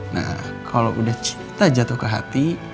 nah kalau udah cinta jatuh ke hati